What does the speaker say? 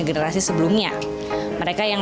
generasi sebelumnya mereka yang